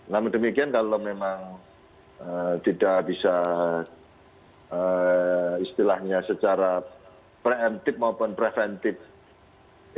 namun demikian kalau memang tidak bisa istilahnya secara preventif maupun pre emptive